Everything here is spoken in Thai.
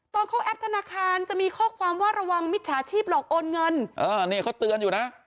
ตอนเขาแอปธนาคารจะมีข้อความว่าระวังมิจฉาชีพหลอกโอนเงินนี่เขาเตือนอยู่นะ